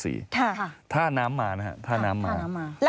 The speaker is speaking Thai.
ระหว่าง๓ถึง๔ถ้าน้ำมานะครับ